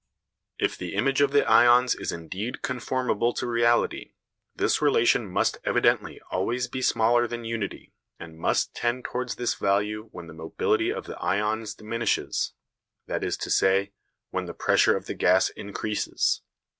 If the image of the ions is indeed conformable to reality, this relation must evidently always be smaller than unity, and must tend towards this value when the mobility of the ions diminishes, that is to say, when the pressure of the gas increases.